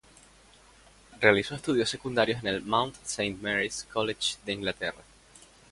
Realizó estudios secundarios en el Mount Saint Mary’s College de Inglaterra.